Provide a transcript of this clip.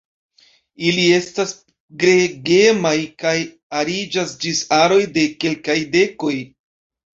Ili estas gregemaj kaj ariĝas ĝis aroj de kelkaj dekoj.